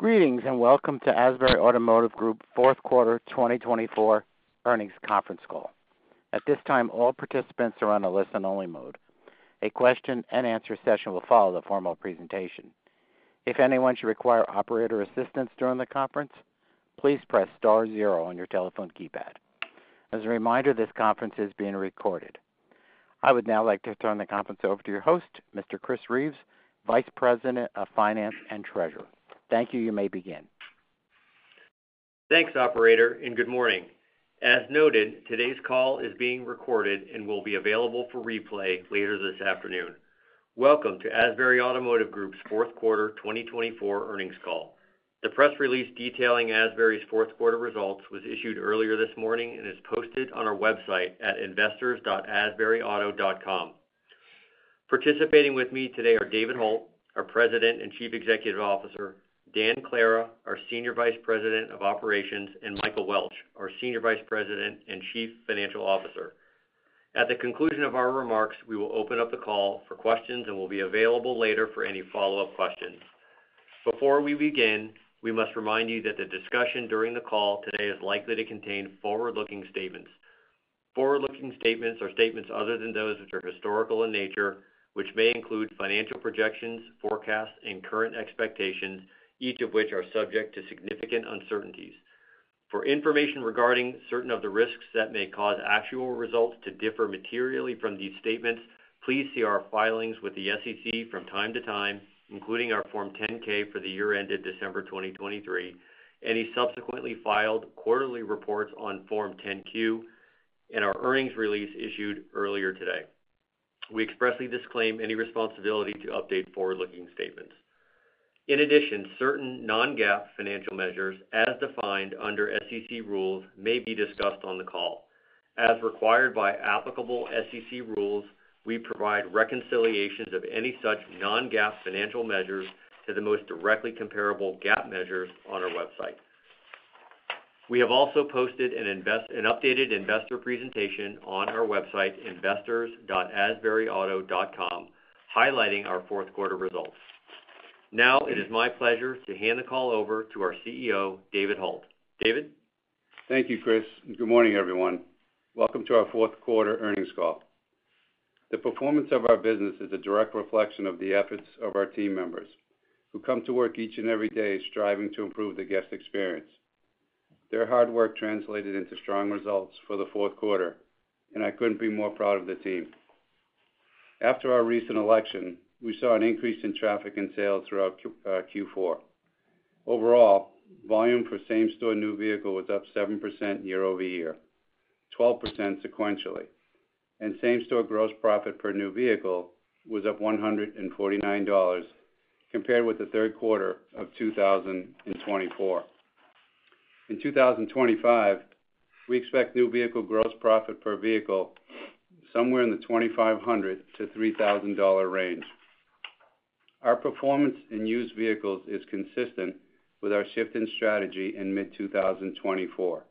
Greetings and welcome to Asbury Automotive Group fourth quarter 2024 earnings conference call. At this time, all participants are on a listen-only mode. A question-and-answer session will follow the formal presentation. If anyone should require operator assistance during the conference, please press star zero on your telephone keypad. As a reminder, this conference is being recorded. I would now like to turn the conference over to your host, Mr. Chris Reeves, Vice President of Finance and Treasurer. Thank you. You may begin. Thanks, Operator, and good morning. As noted, today's call is being recorded and will be available for replay later this afternoon. Welcome to Asbury Automotive Group's fourth quarter 2024 earnings call. The press release detailing Asbury's fourth quarter results was issued earlier this morning and is posted on our website at investors.asburyauto.com. Participating with me today are David Hult, our President and Chief Executive Officer, Dan Clara, our Senior Vice President of Operations, and Michael Welch, our Senior Vice President and Chief Financial Officer. At the conclusion of our remarks, we will open up the call for questions and will be available later for any follow-up questions. Before we begin, we must remind you that the discussion during the call today is likely to contain forward-looking statements. Forward-looking statements are statements other than those which are historical in nature, which may include financial projections, forecasts, and current expectations, each of which are subject to significant uncertainties. For information regarding certain of the risks that may cause actual results to differ materially from these statements, please see our filings with the SEC from time to time, including our Form 10-K for the year ended December 2023, any subsequently filed quarterly reports on Form 10-Q, and our earnings release issued earlier today. We expressly disclaim any responsibility to update forward-looking statements. In addition, certain non-GAAP financial measures, as defined under SEC rules, may be discussed on the call. As required by applicable SEC rules, we provide reconciliations of any such non-GAAP financial measures to the most directly comparable GAAP measures on our website. We have also posted an updated investor presentation on our website, investors.asburyauto.com, highlighting our fourth quarter results. Now, it is my pleasure to hand the call over to our CEO, David Hult. David? Thank you, Chris. Good morning, everyone. Welcome to our fourth quarter earnings call. The performance of our business is a direct reflection of the efforts of our team members, who come to work each and every day striving to improve the guest experience. Their hard work translated into strong results for the fourth quarter, and I couldn't be more proud of the team. After our recent election, we saw an increase in traffic and sales throughout Q4. Overall, volume for same-store new vehicle was up 7% year-over-year, 12% sequentially, and same-store gross profit per new vehicle was up $149 compared with the third quarter of 2024. In 2025, we expect new vehicle gross profit per vehicle somewhere in the $2,500-$3,000 range. Our performance in used vehicles is consistent with our shift in strategy in mid-2024,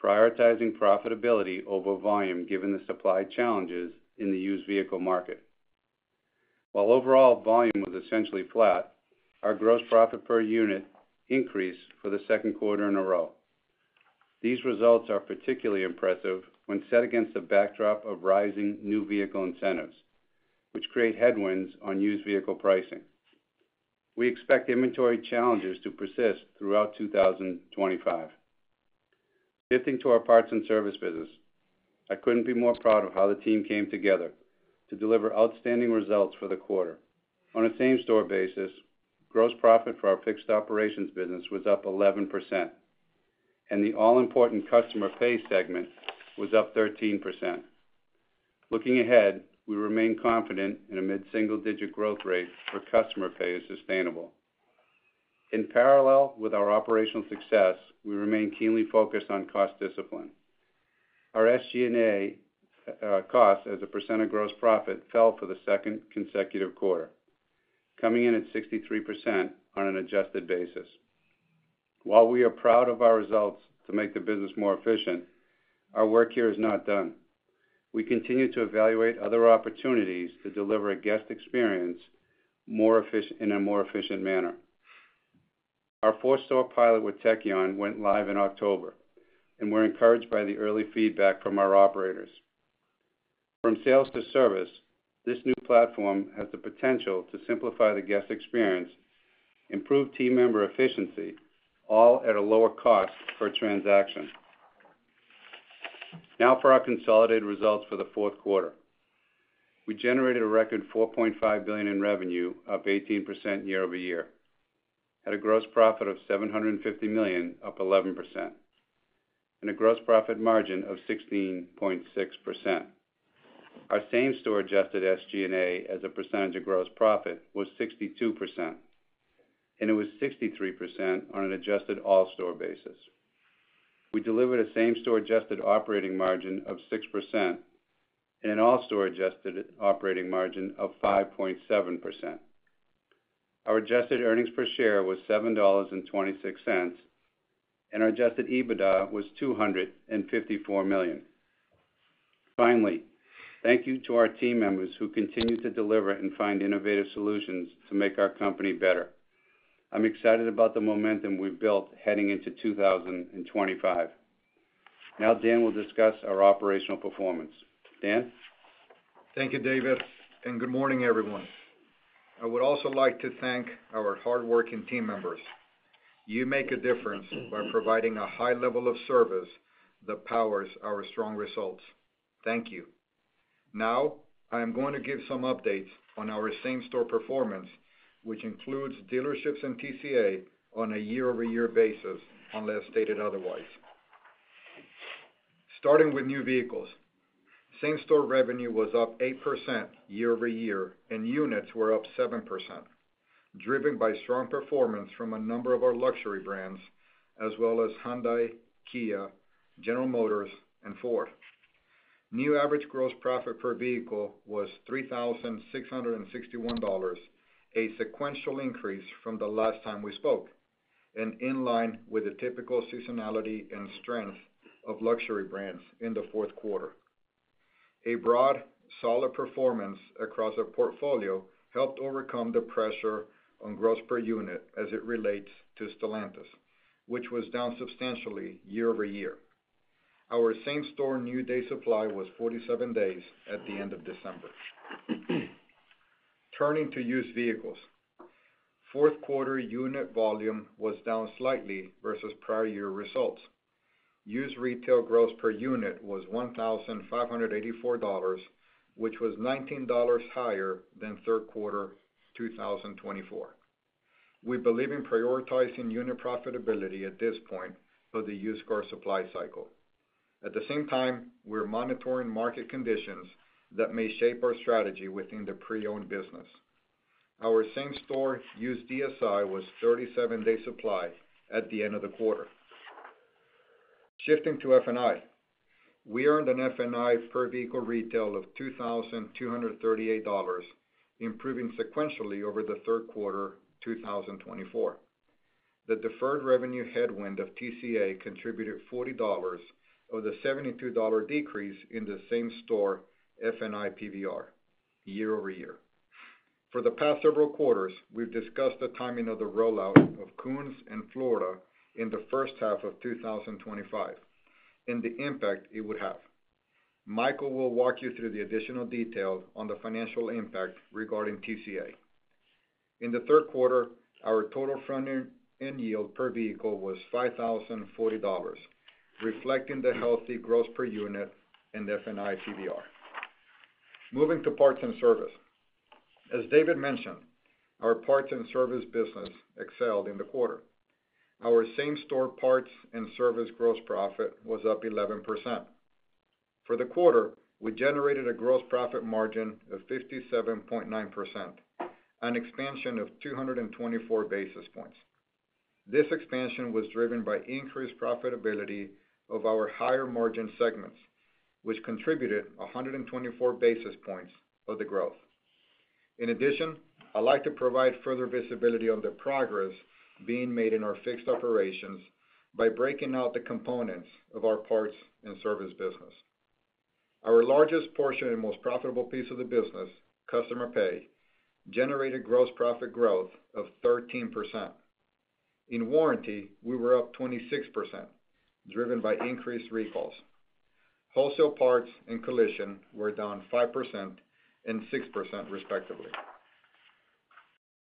prioritizing profitability over volume given the supply challenges in the used vehicle market. While overall volume was essentially flat, our gross profit per unit increased for the second quarter in a row. These results are particularly impressive when set against the backdrop of rising new vehicle incentives, which create headwinds on used vehicle pricing. We expect inventory challenges to persist throughout 2025. Shifting to our parts and service business, I couldn't be more proud of how the team came together to deliver outstanding results for the quarter. On a same-store basis, gross profit for our fixed operations business was up 11%, and the all-important customer pay segment was up 13%. Looking ahead, we remain confident in a mid-single-digit growth rate for customer pay is sustainable. In parallel with our operational success, we remain keenly focused on cost discipline. Our SG&A costs as a percent of gross profit fell for the second consecutive quarter, coming in at 63% on an adjusted basis. While we are proud of our results to make the business more efficient, our work here is not done. We continue to evaluate other opportunities to deliver a guest experience in a more efficient manner. Our four-store pilot with Tekion went live in October, and we're encouraged by the early feedback from our operators. From sales to service, this new platform has the potential to simplify the guest experience, improve team member efficiency, all at a lower cost per transaction. Now, for our consolidated results for the fourth quarter. We generated a record $4.5 billion in revenue, up 18% year-over-year, had a gross profit of $750 million, up 11%, and a gross profit margin of 16.6%. Our same-store adjusted SG&A as a percentage of gross profit was 62%, and it was 63% on an adjusted all-store basis. We delivered a same-store adjusted operating margin of 6% and an all-store adjusted operating margin of 5.7%. Our adjusted earnings per share was $7.26, and our adjusted EBITDA was $254 million. Finally, thank you to our team members who continue to deliver and find innovative solutions to make our company better. I'm excited about the momentum we've built heading into 2025. Now, Dan will discuss our operational performance. Dan? Thank you, David, and good morning, everyone. I would also like to thank our hardworking team members. You make a difference by providing a high level of service that powers our strong results. Thank you. Now, I am going to give some updates on our same-store performance, which includes dealerships and TCA on a year-over-year basis, unless stated otherwise. Starting with new vehicles, same-store revenue was up 8% year-over-year, and units were up 7%, driven by strong performance from a number of our luxury brands, as well as Hyundai, Kia, General Motors, and Ford. New average gross profit per vehicle was $3,661, a sequential increase from the last time we spoke, and in line with the typical seasonality and strength of luxury brands in the fourth quarter. A broad, solid performance across our portfolio helped overcome the pressure on gross per unit as it relates to Stellantis, which was down substantially year-over-year. Our same-store new day supply was 47 days at the end of December. Turning to used vehicles, fourth quarter unit volume was down slightly versus prior year results. Used retail gross per unit was $1,584, which was $19 higher than third quarter 2024. We believe in prioritizing unit profitability at this point of the used car supply cycle. At the same time, we're monitoring market conditions that may shape our strategy within the pre-owned business. Our same-store used DSI was 37-day supply at the end of the quarter. Shifting to F&I, we earned an F&I per vehicle retail of $2,238, improving sequentially over the third quarter 2024. The deferred revenue headwind of TCA contributed $40 of the $72 decrease in the same-store F&I PVR year-over-year. For the past several quarters, we've discussed the timing of the rollout of Koons and Florida in the first half of 2025 and the impact it would have. Michael will walk you through the additional detail on the financial impact regarding TCA. In the third quarter, our total front-end yield per vehicle was $5,040, reflecting the healthy gross per unit and F&I PVR. Moving to parts and service. As David mentioned, our parts and service business excelled in the quarter. Our same-store parts and service gross profit was up 11%. For the quarter, we generated a gross profit margin of 57.9%, an expansion of 224 basis points. This expansion was driven by increased profitability of our higher margin segments, which contributed 124 basis points of the growth. In addition, I'd like to provide further visibility on the progress being made in our Fixed Operations by breaking out the components of our parts and service business. Our largest portion and most profitable piece of the business, customer pay, generated gross profit growth of 13%. In warranty, we were up 26%, driven by increased recalls. Wholesale parts and collision were down 5% and 6%, respectively.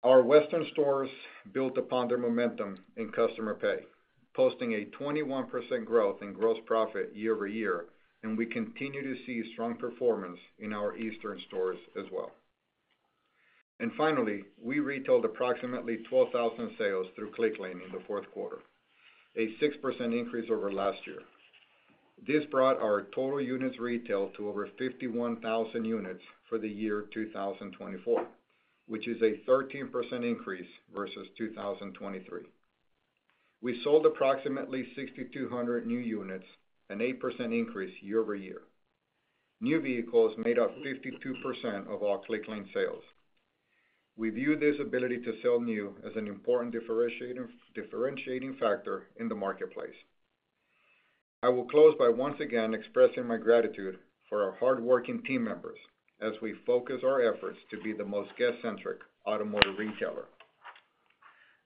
Our western stores built upon their momentum in customer pay, posting a 21% growth in gross profit year-over-year, and we continue to see strong performance in our eastern stores as well. And finally, we retailed approximately 12,000 sales through Clicklane in the fourth quarter, a 6% increase over last year. This brought our total units retailed to over 51,000 units for the year 2024, which is a 13% increase versus 2023. We sold approximately 6,200 new units, an 8% increase year-over-year. New vehicles made up 52% of all Clicklane sales. We view this ability to sell new as an important differentiating factor in the marketplace. I will close by once again expressing my gratitude for our hardworking team members as we focus our efforts to be the most guest-centric automotive retailer.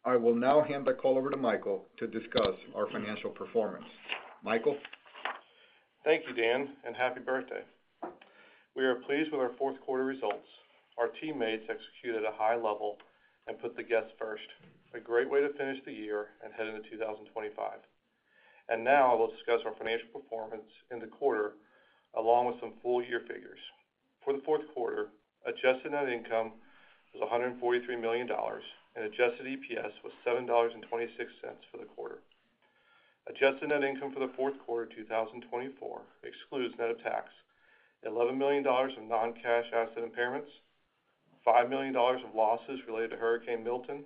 I will now hand the call over to Michael to discuss our financial performance. Michael? Thank you, Dan, and happy birthday. We are pleased with our fourth quarter results. Our teammates executed at a high level and put the guests first, a great way to finish the year and head into 2025. Now I will discuss our financial performance in the quarter along with some full-year figures. For the fourth quarter, adjusted net income was $143 million, and adjusted EPS was $7.26 for the quarter. Adjusted net income for the fourth quarter 2024 excludes net of tax: $11 million of non-cash asset impairments, $5 million of losses related to Hurricane Milton,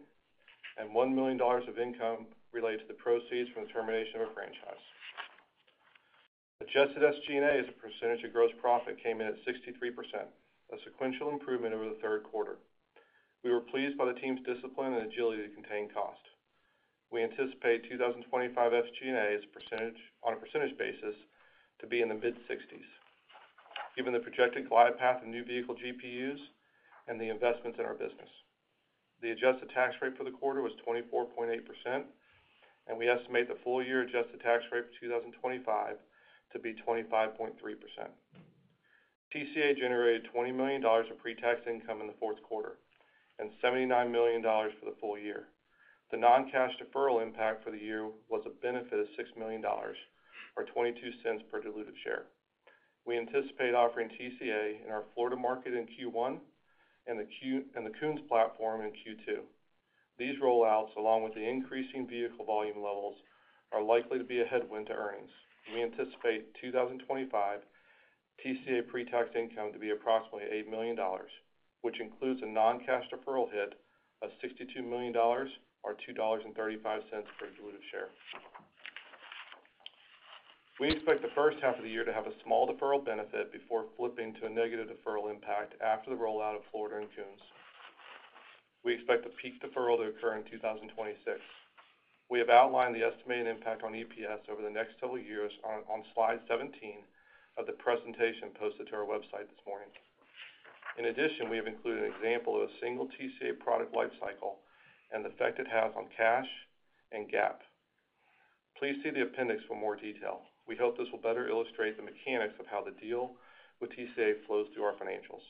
and $1 million of income related to the proceeds from the termination of a franchise. Adjusted SG&A as a percentage of gross profit came in at 63%, a sequential improvement over the third quarter. We were pleased by the team's discipline and agility to contain cost. We anticipate 2025 SG&A on a percentage basis to be in the mid-60s%, given the projected glide path of new vehicle GPUs and the investments in our business. The adjusted tax rate for the quarter was 24.8%, and we estimate the full-year adjusted tax rate for 2025 to be 25.3%. TCA generated $20 million of pre-tax income in the fourth quarter and $79 million for the full year. The non-cash deferral impact for the year was a benefit of $6 million, or $0.22 per diluted share. We anticipate offering TCA in our Florida market in Q1 and the Koons platform in Q2. These rollouts, along with the increasing vehicle volume levels, are likely to be a headwind to earnings. We anticipate 2025 TCA pre-tax income to be approximately $8 million, which includes a non-cash deferral hit of $62 million, or $2.35 per diluted share. We expect the first half of the year to have a small deferral benefit before flipping to a negative deferral impact after the rollout of Florida and Koons. We expect the peak deferral to occur in 2026. We have outlined the estimated impact on EPS over the next several years on slide 17 of the presentation posted to our website this morning. In addition, we have included an example of a single TCA product life cycle and the effect it has on cash and GAAP. Please see the appendix for more detail. We hope this will better illustrate the mechanics of how the deal with TCA flows through our financials.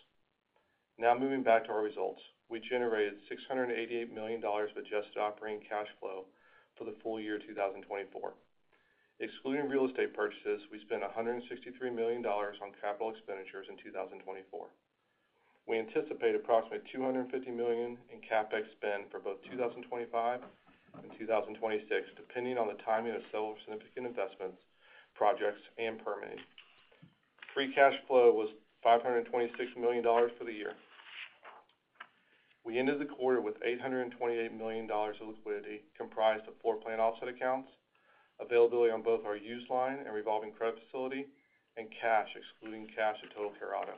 Now, moving back to our results, we generated $688 million of adjusted operating cash flow for the full year 2024. Excluding real estate purchases, we spent $163 million on capital expenditures in 2024. We anticipate approximately $250 million in CapEx spend for both 2025 and 2026, depending on the timing of several significant investments, projects, and permitting. Free cash flow was $526 million for the year. We ended the quarter with $828 million of liquidity comprised of floor plan offset accounts, availability on both our used line and revolving credit facility, and cash, excluding cash at Total Care Auto.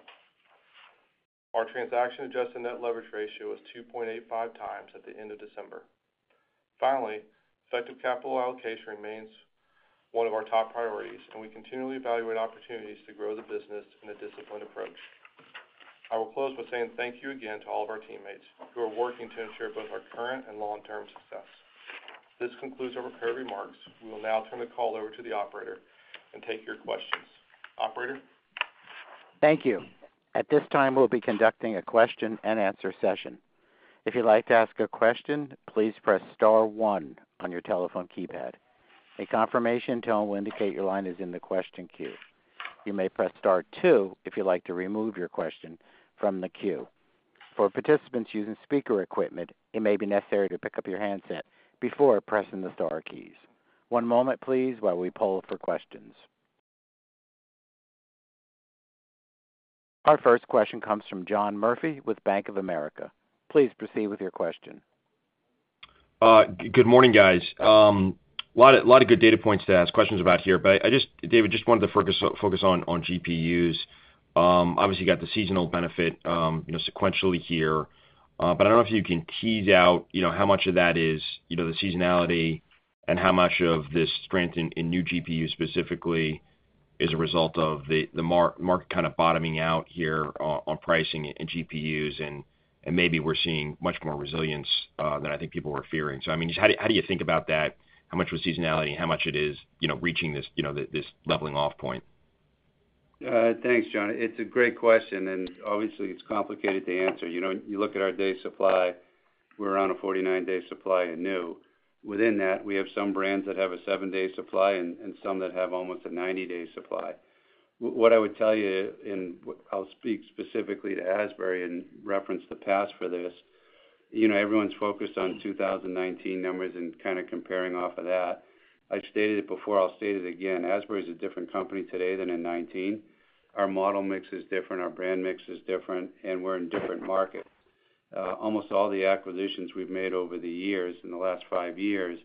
Our transaction adjusted net leverage ratio was 2.85x at the end of December. Finally, effective capital allocation remains one of our top priorities, and we continually evaluate opportunities to grow the business in a disciplined approach. I will close by saying thank you again to all of our teammates who are working to ensure both our current and long-term success. This concludes our prepared remarks. We will now turn the call over to the operator and take your questions. Operator? Thank you. At this time, we'll be conducting a question-and-answer session. If you'd like to ask a question, please press star one on your telephone keypad. A confirmation tone will indicate your line is in the question queue. You may press star two if you'd like to remove your question from the queue. For participants using speaker equipment, it may be necessary to pick up your handset before pressing the star keys. One moment, please, while we poll for questions. Our first question comes from John Murphy with Bank of America. Please proceed with your question. Good morning, guys. A lot of good data points to ask questions about here, but I just wanted to focus on GPUs. Obviously, you got the seasonal benefit sequentially here, but I don't know if you can tease out how much of that is the seasonality and how much of this strength in new GPUs specifically is a result of the market kind of bottoming out here on pricing and GPUs, and maybe we're seeing much more resilience than I think people were fearing. So I mean, just how do you think about that? How much was seasonality and how much it is reaching this leveling off point? Thanks, John. It's a great question, and obviously, it's complicated to answer. You look at our day supply. We're on a 49-day supply in new. Within that, we have some brands that have a seven-day supply and some that have almost a 90-day supply. What I would tell you, and I'll speak specifically to Asbury and reference the past for this, everyone's focused on 2019 numbers and kind of comparing off of that. I've stated it before. I'll state it again. Asbury is a different company today than in 2019. Our model mix is different. Our brand mix is different, and we're in different markets. Almost all the acquisitions we've made over the years in the last five years,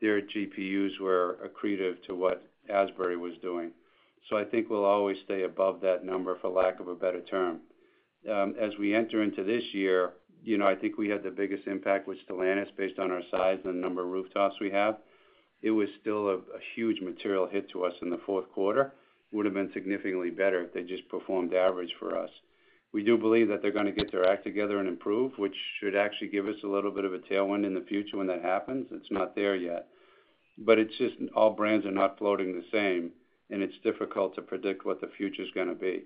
their GPUs were accretive to what Asbury was doing. So I think we'll always stay above that number, for lack of a better term. As we enter into this year, I think we had the biggest impact, which Stellantis, based on our size and the number of rooftops we have, it was still a huge material hit to us in the fourth quarter. It would have been significantly better if they just performed average for us. We do believe that they're going to get their act together and improve, which should actually give us a little bit of a tailwind in the future when that happens. It's not there yet, but it's just all brands are not floating the same, and it's difficult to predict what the future is going to be.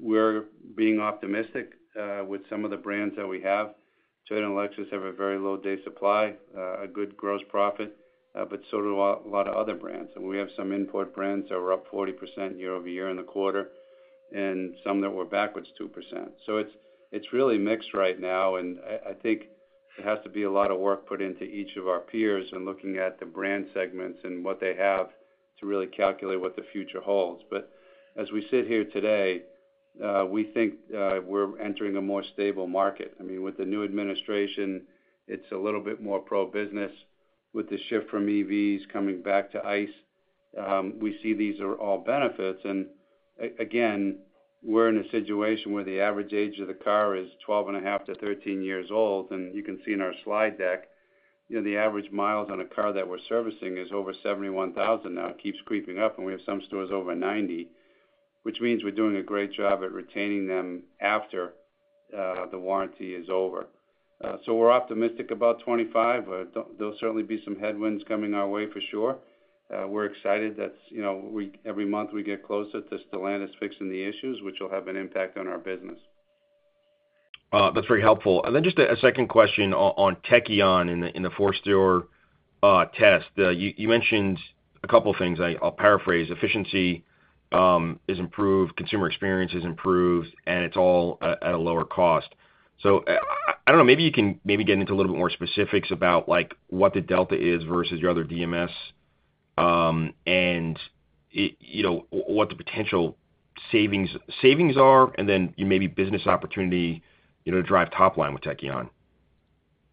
We're being optimistic with some of the brands that we have. Toyota and Lexus have a very low day supply, a good gross profit, but so do a lot of other brands. And we have some import brands that were up 40% year-over-year in the quarter and some that were backwards 2%. So it's really mixed right now, and I think there has to be a lot of work put into each of our peers and looking at the brand segments and what they have to really calculate what the future holds. But as we sit here today, we think we're entering a more stable market. I mean, with the new administration, it's a little bit more pro-business. With the shift from EVs coming back to ICE, we see these are all benefits. And again, we're in a situation where the average age of the car is 12 and a half to 13 years old. And you can see in our slide deck, the average miles on a car that we're servicing is over 71,000 now. It keeps creeping up, and we have some stores over 90, which means we're doing a great job at retaining them after the warranty is over. So we're optimistic about 2025. There'll certainly be some headwinds coming our way for sure. We're excited that every month we get closer to Stellantis fixing the issues, which will have an impact on our business. That's very helpful. And then just a second question on Tekion in the four-store test. You mentioned a couple of things. I'll paraphrase. Efficiency is improved, consumer experience is improved, and it's all at a lower cost. So I don't know, maybe you can get into a little bit more specifics about what the delta is versus your other DMS and what the potential savings are, and then maybe business opportunity to drive top line with Tekion.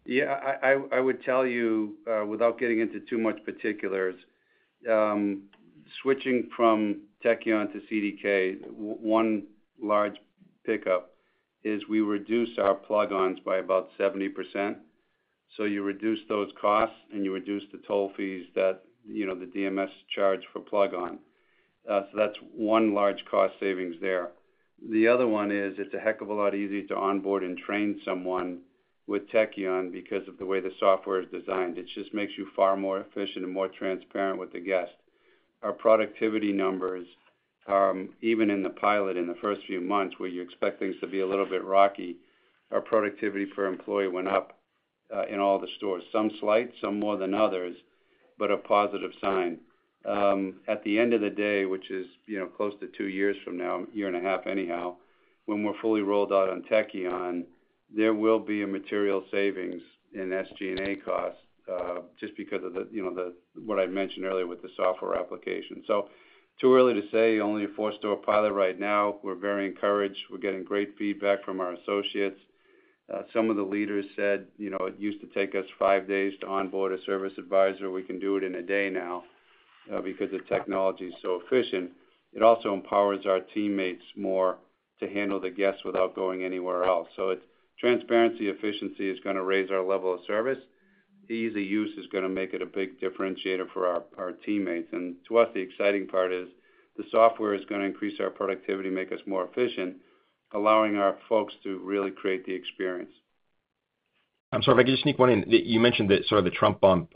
Yeah. I would tell you, without getting into too much particulars, switching from Tekion to CDK, one large pickup is we reduce our plug-ins by about 70%. So you reduce those costs and you reduce the toll fees that the DMS charge for plug-in. So that's one large cost savings there. The other one is it's a heck of a lot easier to onboard and train someone with Tekion because of the way the software is designed. It just makes you far more efficient and more transparent with the guest. Our productivity numbers, even in the pilot in the first few months where you expect things to be a little bit rocky, our productivity per employee went up in all the stores. Some slight, some more than others, but a positive sign. At the end of the day, which is close to two years from now, a year and a half anyhow, when we're fully rolled out on Tekion, there will be a material savings in SG&A cost just because of what I mentioned earlier with the software application. So too early to say, only a four-store pilot right now. We're very encouraged. We're getting great feedback from our associates. Some of the leaders said it used to take us five days to onboard a service advisor. We can do it in a day now because the technology is so efficient. It also empowers our teammates more to handle the guests without going anywhere else. So transparency, efficiency is going to raise our level of service. Ease of use is going to make it a big differentiator for our teammates. To us, the exciting part is the software is going to increase our productivity, make us more efficient, allowing our folks to really create the experience. I'm sorry, if I could just sneak one in. You mentioned that sort of the Trump bump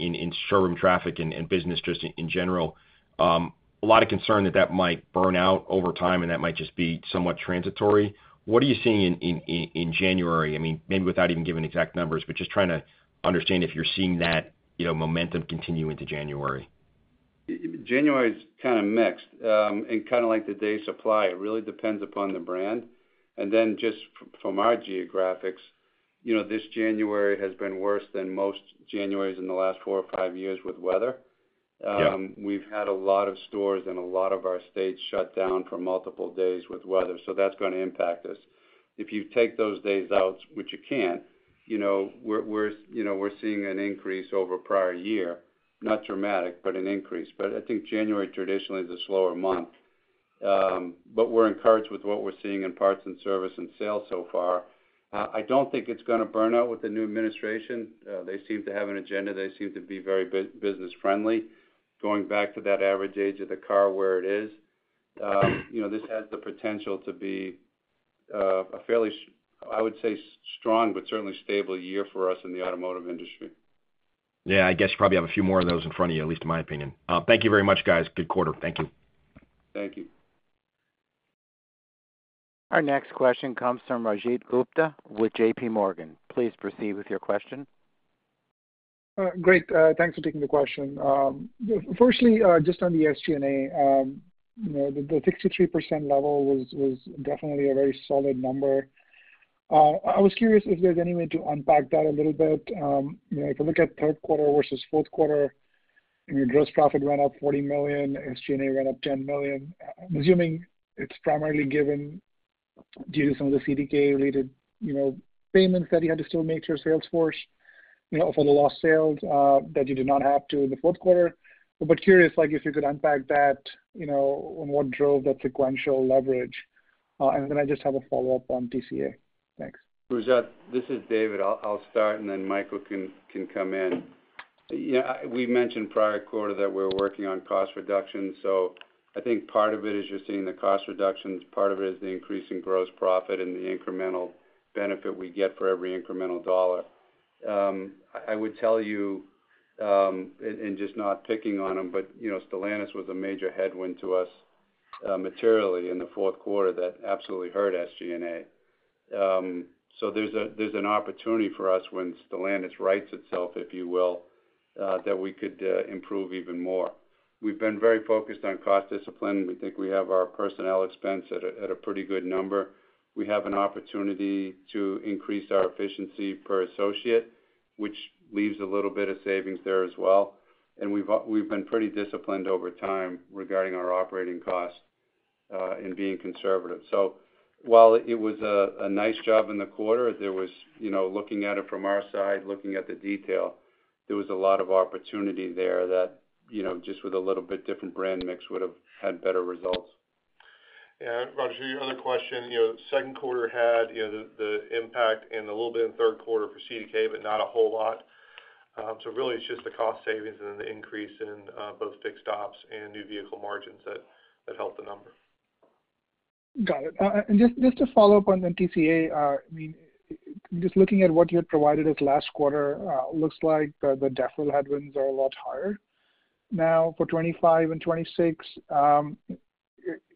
in showroom traffic and business just in general, a lot of concern that that might burn out over time and that might just be somewhat transitory. What are you seeing in January? I mean, maybe without even giving exact numbers, but just trying to understand if you're seeing that momentum continue into January. January is kind of mixed and kind of like the day supply. It really depends upon the brand and then just from our geographies, this January has been worse than most Januaries in the last four or five years with weather. We've had a lot of stores and a lot of our states shut down for multiple days with weather, so that's going to impact us. If you take those days out, which you can't, we're seeing an increase over prior year, not dramatic, but an increase, but I think January traditionally is a slower month, but we're encouraged with what we're seeing in parts and service and sales so far. I don't think it's going to burn out with the new administration. They seem to have an agenda. They seem to be very business-friendly, going back to that average age of the car where it is. This has the potential to be a fairly, I would say, strong but certainly stable year for us in the automotive industry. Yeah, I guess you probably have a few more of those in front of you, at least in my opinion. Thank you very much, guys. Good quarter. Thank you. Thank you. Our next question comes from Rajat Gupta with JPMorgan. Please proceed with your question. Great. Thanks for taking the question. Firstly, just on the SG&A, the 63% level was definitely a very solid number. I was curious if there's any way to unpack that a little bit. If you look at third quarter versus fourth quarter, gross profit went up $40 million. SG&A went up $10 million. I'm assuming it's primarily given due to some of the CDK-related payments that you had to still make to your sales force for the lost sales that you did not have to in the fourth quarter. But curious if you could unpack that and what drove that sequential leverage. And then I just have a follow-up on TCA. Thanks. This is David. I'll start, and then Michael can come in. We mentioned prior quarter that we're working on cost reductions, so I think part of it is you're seeing the cost reductions. Part of it is the increasing gross profit and the incremental benefit we get for every incremental dollar. I would tell you, and just not picking on them, but Stellantis was a major headwind to us materially in the fourth quarter that absolutely hurt SG&A, so there's an opportunity for us when Stellantis rights itself, if you will, that we could improve even more. We've been very focused on cost discipline. We think we have our personnel expense at a pretty good number. We have an opportunity to increase our efficiency per associate, which leaves a little bit of savings there as well, and we've been pretty disciplined over time regarding our operating costs and being conservative. While it was a nice job in the quarter, looking at it from our side, looking at the detail, there was a lot of opportunity there that just with a little bit different brand mix would have had better results. Yeah. Rajat, your other question, second quarter had the impact and a little bit in third quarter for CDK, but not a whole lot, so really, it's just the cost savings and then the increase in both fixed ops and new vehicle margins that helped the number. Got it. And just to follow up on the TCA, I mean, just looking at what you had provided us last quarter, looks like the deferral headwinds are a lot higher now for 2025 and 2026.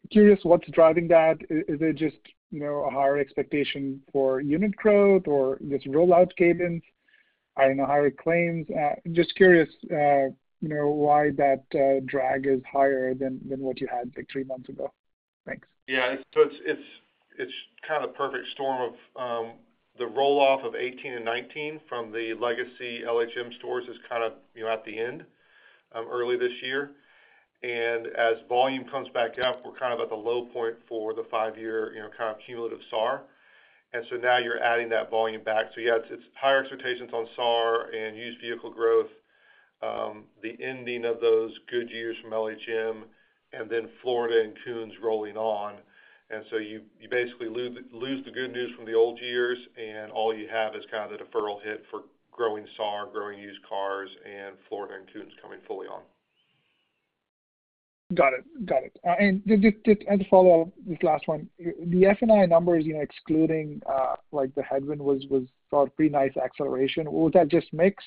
Curious what's driving that. Is it just a higher expectation for unit growth or just rollout cadence? I don't know how it claims. Just curious why that drag is higher than what you had three months ago. Thanks. Yeah. So it's kind of the perfect storm of the roll-off of 2018 and 2019 from the legacy LHM stores is kind of at the end early this year. And as volume comes back up, we're kind of at the low point for the five-year kind of cumulative SAR. And so now you're adding that volume back. So yeah, it's higher expectations on SAR and used vehicle growth, the ending of those good years from LHM, and then Florida and Koons rolling on. And so you basically lose the good news from the old years, and all you have is kind of the deferral hit for growing SAR, growing used cars, and Florida and Koons coming fully on. Got it. Got it. And just to follow up this last one, the F&I numbers excluding the headwind was a pretty nice acceleration. Was that just mix?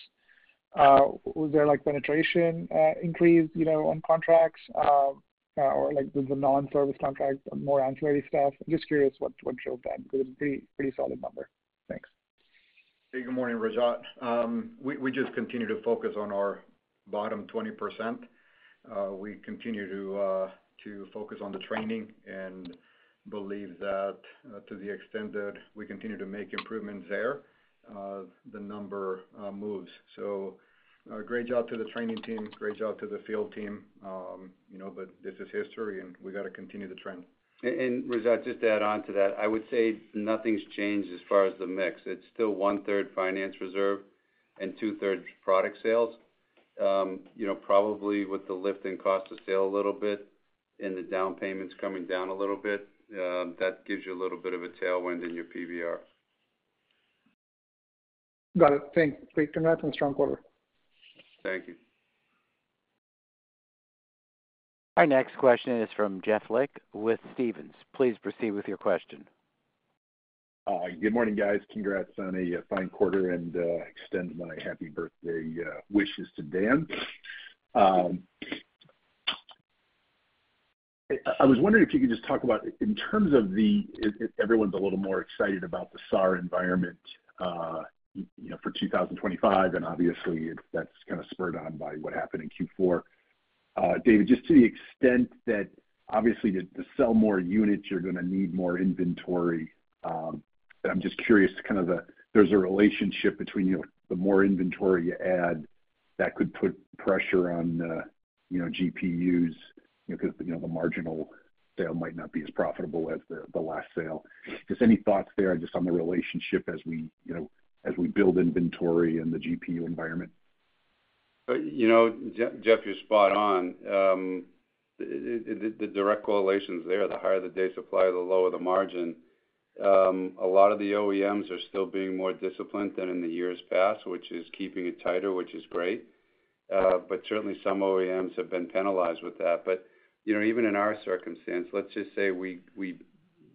Was there penetration increase on contracts or the non-service contract, more ancillary stuff? I'm just curious what drove that because it's a pretty solid number. Thanks. Hey, good morning, Rajat. We just continue to focus on our bottom 20%. We continue to focus on the training and believe that to the extent that we continue to make improvements there, the number moves. So great job to the training team. Great job to the field team. But this is history, and we got to continue the trend. Rajat, just to add on to that, I would say nothing's changed as far as the mix. It's still one-third finance reserve and two-thirds product sales. Probably with the lift in cost of sale a little bit and the down payments coming down a little bit, that gives you a little bit of a tailwind in your PVR. Got it. Thanks. Great. Congrats on strong quarter. Thank you. Our next question is from Jeff Lick with Stephens. Please proceed with your question. Good morning, guys. Congrats on a fine quarter, and extend my happy birthday wishes to Dan. I was wondering if you could just talk about in terms of, everyone's a little more excited about the SAR environment for 2025, and obviously, that's kind of spurred on by what happened in Q4. David, just to the extent that obviously to sell more units, you're going to need more inventory. I'm just curious kind of there's a relationship between the more inventory you add that could put pressure on GPUs because the marginal sale might not be as profitable as the last sale. Just any thoughts there just on the relationship as we build inventory in the GPU environment? Jeff, you're spot on. The direct correlations there, the higher the day supply, the lower the margin. A lot of the OEMs are still being more disciplined than in the years past, which is keeping it tighter, which is great. But certainly, some OEMs have been penalized with that. But even in our circumstance, let's just say we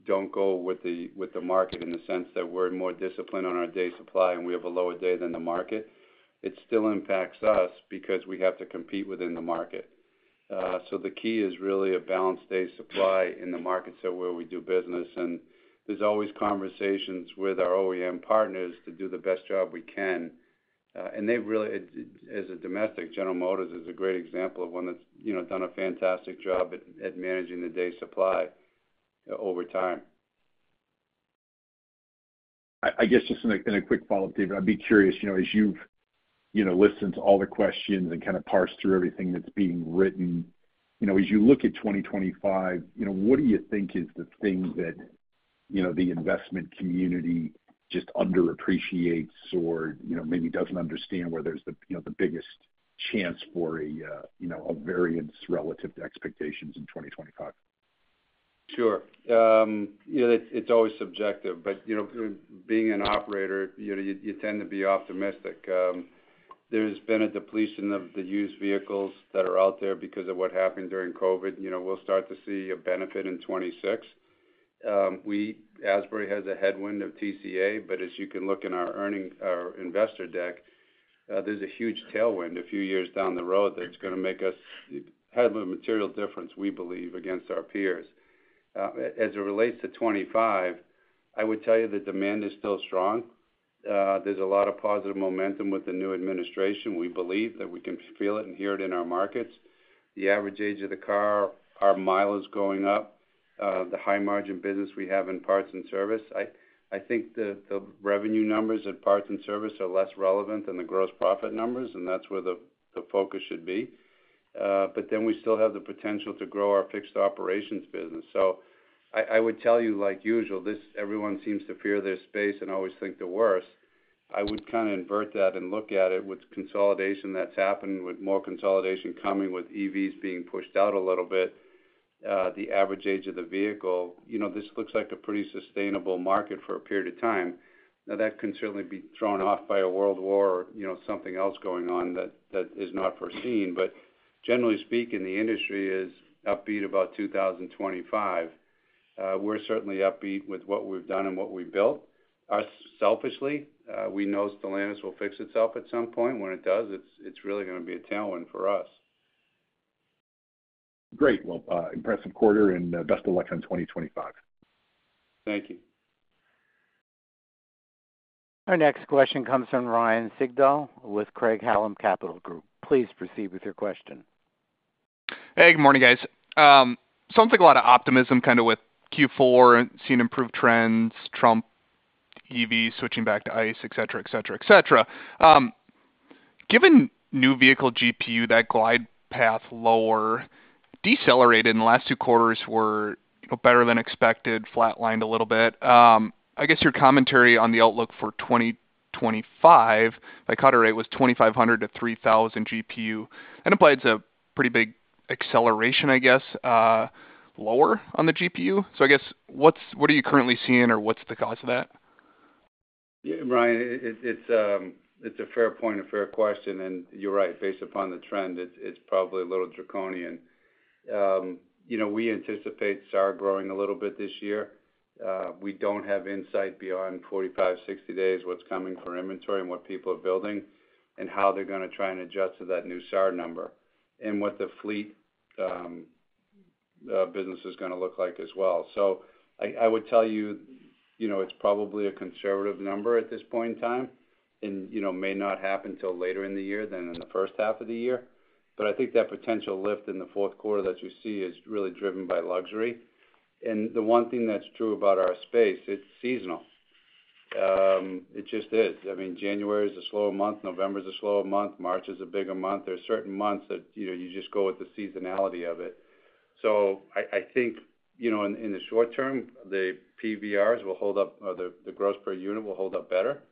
don't go with the market in the sense that we're more disciplined on our day supply and we have a lower day than the market. It still impacts us because we have to compete within the market. So the key is really a balanced day supply in the markets where we do business. And there's always conversations with our OEM partners to do the best job we can. They really, as a domestic, General Motors is a great example of one that's done a fantastic job at managing the day supply over time. I guess just in a quick follow-up, David, I'd be curious, as you've listened to all the questions and kind of parsed through everything that's being written, as you look at 2025, what do you think is the thing that the investment community just underappreciates or maybe doesn't understand where there's the biggest chance for a variance relative to expectations in 2025? Sure. It's always subjective. But being an operator, you tend to be optimistic. There's been a depletion of the used vehicles that are out there because of what happened during COVID. We'll start to see a benefit in 2026. Asbury has a headwind of TCA, but as you can look in our investor deck, there's a huge tailwind a few years down the road that's going to make us have a material difference, we believe, against our peers. As it relates to 2025, I would tell you the demand is still strong. There's a lot of positive momentum with the new administration. We believe that we can feel it and hear it in our markets. The average age of the car, our mileage going up, the high-margin business we have in parts and service. I think the revenue numbers in parts and service are less relevant than the gross profit numbers, and that's where the focus should be. But then we still have the potential to grow our fixed operations business. So I would tell you, like usual, everyone seems to fear their space and always think the worst. I would kind of invert that and look at it with consolidation that's happened, with more consolidation coming with EVs being pushed out a little bit, the average age of the vehicle. This looks like a pretty sustainable market for a period of time. Now, that can certainly be thrown off by a world war or something else going on that is not foreseen. But generally speaking, the industry is upbeat about 2025. We're certainly upbeat with what we've done and what we built. Selfishly, we know Stellantis will fix itself at some point. When it does, it's really going to be a tailwind for us. Great. Well, impressive quarter and best of luck on 2025. Thank you. Our next question comes from Ryan Sigdahl with Craig-Hallum Capital Group. Please proceed with your question. Hey, good morning, guys. So I don't think a lot of optimism kind of with Q4, seeing improved trends, Trump, EV switching back to ICE, etc., etc., etc. Given new vehicle GPU, that glide path lower decelerated in the last two quarters were better than expected, flatlined a little bit. I guess your commentary on the outlook for 2025, if I caught it right, was $2,500-$3,000 GPU. That implies a pretty big acceleration, I guess, lower on the GPU. So I guess what are you currently seeing or what's the cause of that? Ryan, it's a fair point, a fair question and you're right. Based upon the trend, it's probably a little draconian. We anticipate SAR growing a little bit this year. We don't have insight beyond 45, 60 days what's coming for inventory and what people are building and how they're going to try and adjust to that new SAR number and what the fleet business is going to look like as well so I would tell you it's probably a conservative number at this point in time and may not happen until later in the year than in the first half of the year but I think that potential lift in the fourth quarter that you see is really driven by luxury and the one thing that's true about our space, it's seasonal. It just is. I mean, January is a slower month. November is a slower month. March is a bigger month. There are certain months that you just go with the seasonality of it. So I think in the short-term, the PVRs will hold up or the gross per unit will hold up better.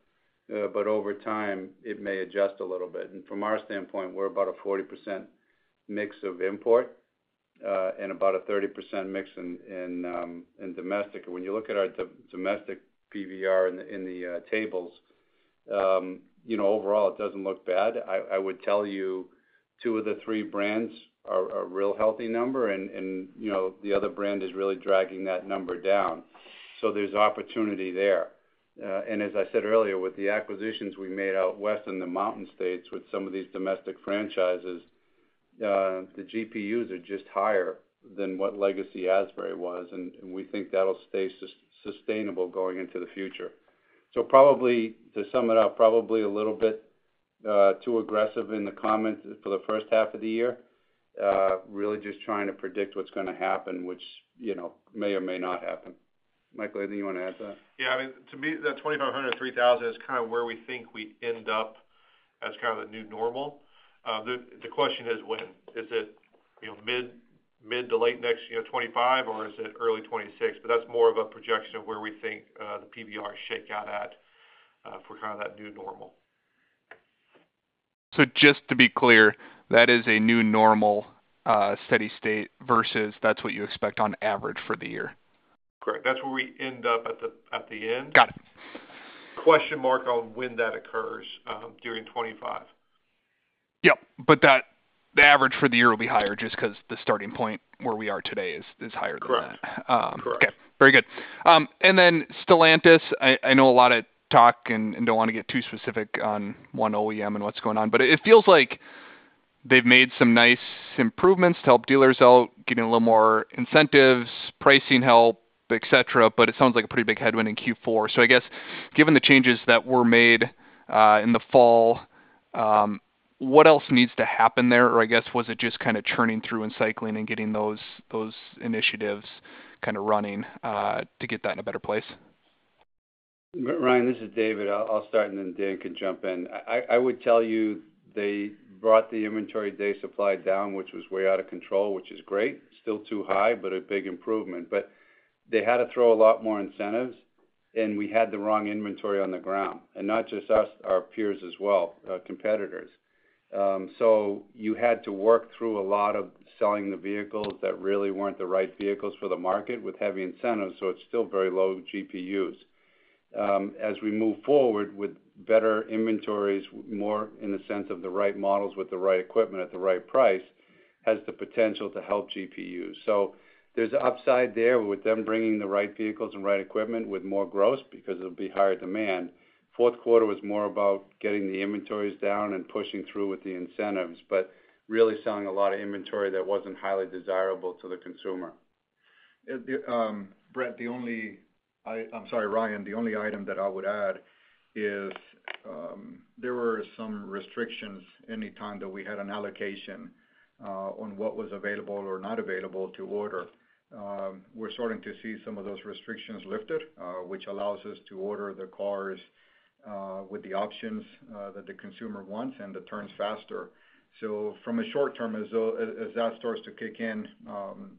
But over time, it may adjust a little bit. And from our standpoint, we're about a 40% mix of import and about a 30% mix in domestic. And when you look at our domestic PVR in the tables, overall, it doesn't look bad. I would tell you two of the three brands are a real healthy number, and the other brand is really dragging that number down. So there's opportunity there. And as I said earlier, with the acquisitions we made out west in the mountain states with some of these domestic franchises, the GPUs are just higher than what legacy Asbury was. And we think that'll stay sustainable going into the future. So probably to sum it up, probably a little bit too aggressive in the comments for the first half of the year, really just trying to predict what's going to happen, which may or may not happen. Michael, anything you want to add to that? Yeah. I mean, to me, that 2,500-3,000 is kind of where we think we end up as kind of the new normal. The question is when. Is it mid to late next 2025, or is it early 2026? But that's more of a projection of where we think the PVRs shake out at for kind of that new normal. So just to be clear, that is a new normal steady state versus that's what you expect on average for the year? Correct. That's where we end up at the end. Got it. Question mark on when that occurs during 2025. Yep. But the average for the year will be higher just because the starting point where we are today is higher than that. Correct. Correct. Okay. Very good. And then Stellantis, I know a lot of talk and don't want to get too specific on one OEM and what's going on. But it feels like they've made some nice improvements to help dealers out, getting a little more incentives, pricing help, etc. But it sounds like a pretty big headwind in Q4. So I guess given the changes that were made in the fall, what else needs to happen there? Or I guess was it just kind of churning through and cycling and getting those initiatives kind of running to get that in a better place? Ryan, this is David. I'll start, and then Dan can jump in. I would tell you they brought the inventory day supply down, which was way out of control, which is great. Still too high, but a big improvement. They had to throw a lot more incentives, and we had the wrong inventory on the ground. Not just us, our peers as well, competitors. You had to work through a lot of selling the vehicles that really weren't the right vehicles for the market with heavy incentives. It's still very low GPUs. As we move forward with better inventories, more in the sense of the right models with the right equipment at the right price has the potential to help GPUs. There's upside there with them bringing the right vehicles and right equipment with more gross because it'll be higher demand. Fourth quarter was more about getting the inventories down and pushing through with the incentives, but really selling a lot of inventory that wasn't highly desirable to the consumer. Brett, the only, I'm sorry, Ryan, the only item that I would add is there were some restrictions anytime that we had an allocation on what was available or not available to order. We're starting to see some of those restrictions lifted, which allows us to order the cars with the options that the consumer wants and that turns faster. So from a short-term, as that starts to kick in,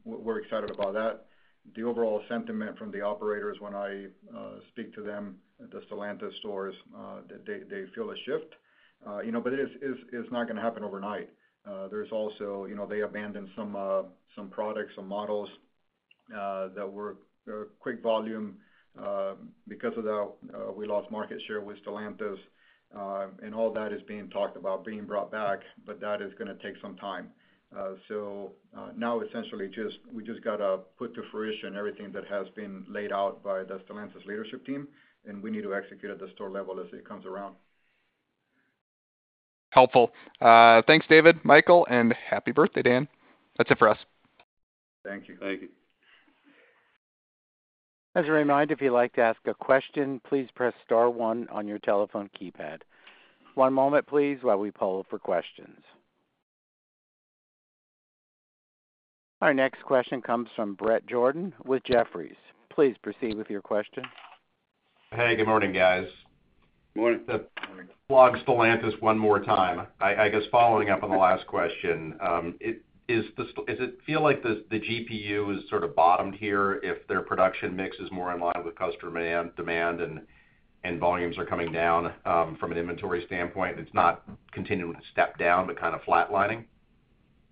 we're excited about that. The overall sentiment from the operators when I speak to them, the Stellantis stores, they feel a shift. But it's not going to happen overnight. There's also they abandoned some products, some models that were quick volume because of the, we lost market share with Stellantis. And all that is being talked about, being brought back, but that is going to take some time. So now, essentially, we just got to put to fruition everything that has been laid out by the Stellantis leadership team, and we need to execute at the store level as it comes around. Helpful. Thanks, David, Michael, and Happy Birthday, Dan. That's it for us. Thank you. Thank you. As a reminder, if you'd like to ask a question, please press star one on your telephone keypad. One moment, please, while we pull up for questions. Our next question comes from Brett Jordan with Jefferies. Please proceed with your question. Hey, good morning, guys. Good morning, Brett. Morning. For Stellantis one more time. I guess following up on the last question, does it feel like the GPU is sort of bottomed here if their production mix is more in line with customer demand and volumes are coming down from an inventory standpoint? It's not continuing to step down, but kind of flatlining?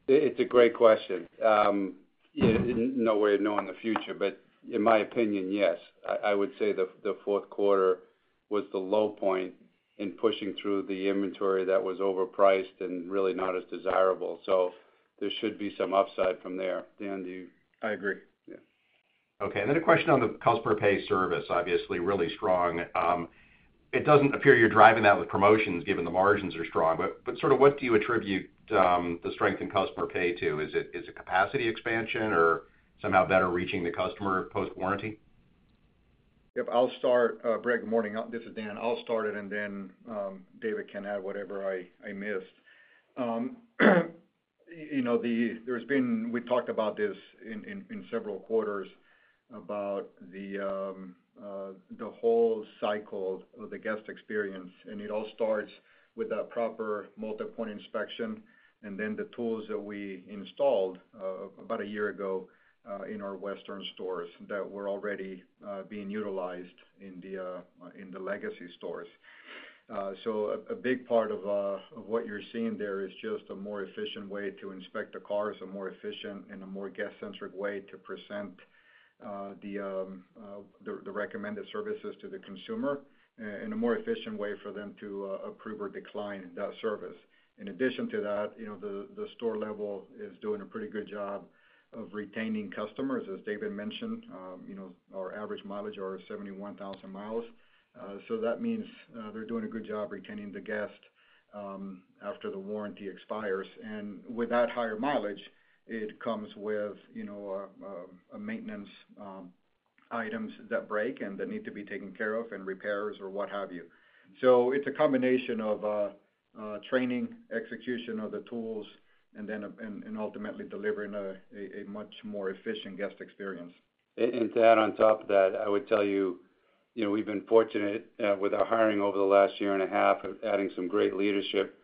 It's a great question. No way of knowing the future. But in my opinion, yes. I would say the fourth quarter was the low point in pushing through the inventory that was overpriced and really not as desirable. So there should be some upside from there. Dan, do you? I agree. Okay. And then a question on the customer pay service, obviously really strong. It doesn't appear you're driving that with promotions given the margins are strong. But sort of what do you attribute the strength in customer pay to? Is it capacity expansion or somehow better reaching the customer post-warranty? Yep. I'll start, good morning. This is Dan. I'll start it, and then David can add whatever I missed. There's been. We talked about this in several quarters about the whole cycle of the guest experience, and it all starts with that proper multi-point inspection and then the tools that we installed about a year ago in our western stores that were already being utilized in the legacy stores, so a big part of what you're seeing there is just a more efficient way to inspect the cars, a more efficient and a more guest-centric way to present the recommended services to the consumer in a more efficient way for them to approve or decline that service. In addition to that, the store level is doing a pretty good job of retaining customers. As David mentioned, our average mileage is 71,000 mi. So that means they're doing a good job retaining the guest after the warranty expires. And with that higher mileage, it comes with maintenance items that break and that need to be taken care of and repairs or what have you. So it's a combination of training, execution of the tools, and then ultimately delivering a much more efficient guest experience. And to add on top of that, I would tell you we've been fortunate with our hiring over the last year and a half, adding some great leadership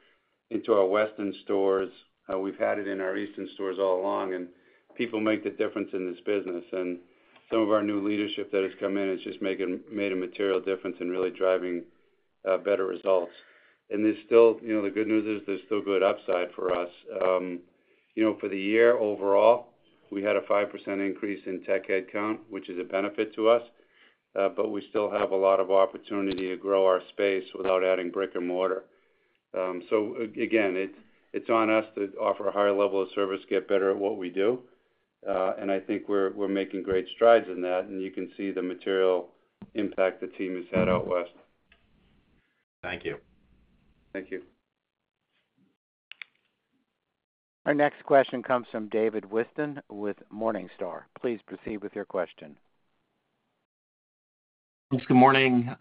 into our western stores. We've had it in our eastern stores all along, and people make the difference in this business. And some of our new leadership that has come in has just made a material difference in really driving better results. And the good news is there's still good upside for us. For the year overall, we had a 5% increase in tech headcount, which is a benefit to us. But we still have a lot of opportunity to grow our space without adding brick and mortar. So again, it's on us to offer a higher level of service, get better at what we do. And I think we're making great strides in that. You can see the material impact the team has had out west. Thank you. Thank you. Our next question comes from David Whiston with Morningstar. Please proceed with your question. Thanks. Good morning.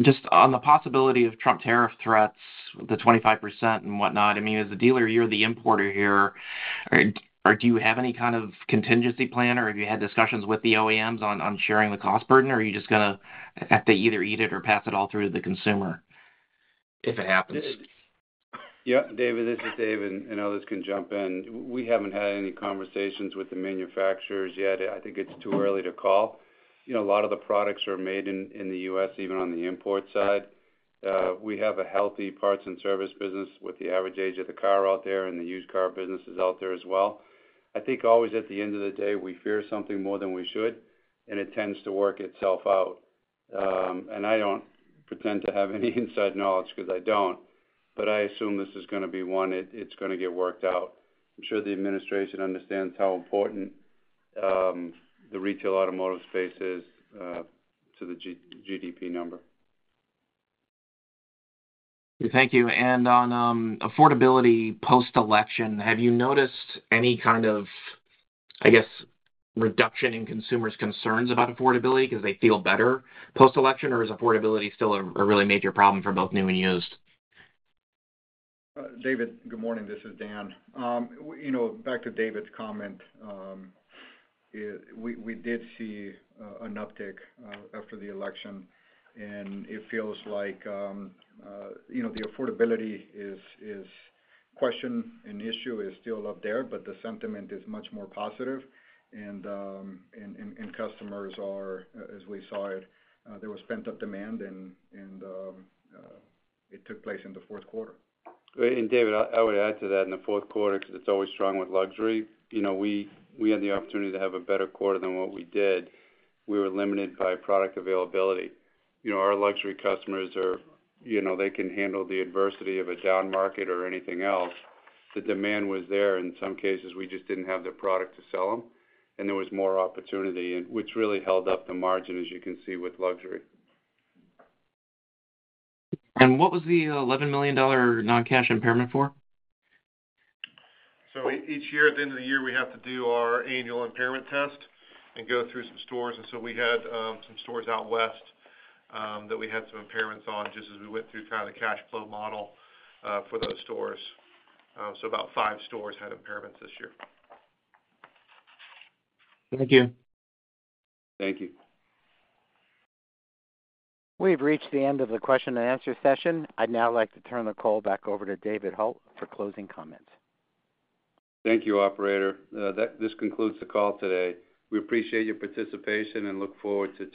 Just on the possibility of Trump tariff threats, the 25% and whatnot, I mean, as a dealer, you're the importer here. Do you have any kind of contingency plan, or have you had discussions with the OEMs on sharing the cost burden, or are you just going to have to either eat it or pass it all through to the consumer if it happens? Yep. David, this is David. And others can jump in. We haven't had any conversations with the manufacturers yet. I think it's too early to call. A lot of the products are made in the U.S., even on the import side. We have a healthy parts and service business with the average age of the car out there and the used car businesses out there as well. I think always at the end of the day, we fear something more than we should, and it tends to work itself out. And I don't pretend to have any inside knowledge because I don't. But I assume this is going to be one. It's going to get worked out. I'm sure the administration understands how important the retail automotive space is to the GDP number. Thank you. And on affordability post-election, have you noticed any kind of, I guess, reduction in consumers' concerns about affordability because they feel better post-election, or is affordability still a really major problem for both new and used? David, good morning. This is Dan. Back to David's comment, we did see an uptick after the election. And it feels like the affordability question and issue is still up there, but the sentiment is much more positive. And customers are, as we saw it, there was pent-up demand, and it took place in the fourth quarter. And David, I would add to that in the fourth quarter because it's always strong with luxury. We had the opportunity to have a better quarter than what we did. We were limited by product availability. Our luxury customers, they can handle the adversity of a down market or anything else. The demand was there. In some cases, we just didn't have the product to sell them. And there was more opportunity, which really held up the margin, as you can see, with luxury. What was the $11 million non-cash impairment for? Each year, at the end of the year, we have to do our annual impairment test and go through some stores. We had some stores out west that we had some impairments on just as we went through kind of the cash flow model for those stores. About five stores had impairments this year. Thank you. Thank you. We've reached the end of the question-and-answer session. I'd now like to turn the call back over to David Hult for closing comments. Thank you, Operator. This concludes the call today. We appreciate your participation and look forward to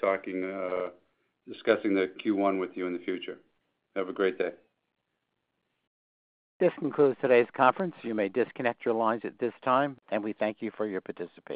discussing the Q1 with you in the future. Have a great day. This concludes today's conference. You may disconnect your lines at this time, and we thank you for your participation.